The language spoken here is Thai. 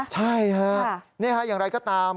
ใช่ครับอย่างไรก็ตาม